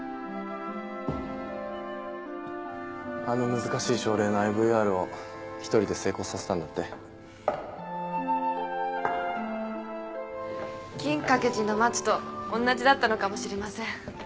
あの難しい症例のＩＶＲを一人で成功させたんだって？金閣寺の松とおんなじだったのかもしれません。